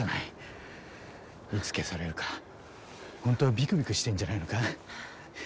いつ消されるか本当はビクビクしてんじゃないのか？